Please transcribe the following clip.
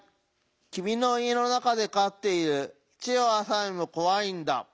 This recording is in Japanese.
君の家の中でかってるチワワさえもこわいんだ